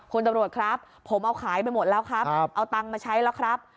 คุณตำรวจครับผมเอาขายไปหมดแล้วครับเอาตังค์มาใช้แล้วครับ